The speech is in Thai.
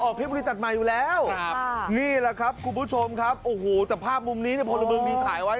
คิกเบอร์นิ่งด้วย